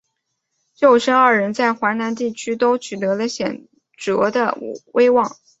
舅甥二人在淮南地区都取得了显着的威望。